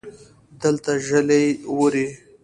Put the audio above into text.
دلته ژلۍ ووري